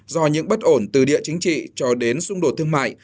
do những bất ổn từ địa chính trị cho đến xung đột thương mại